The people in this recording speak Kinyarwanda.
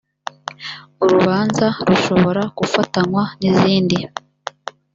urubanza rushobora gufatanywa n’izindi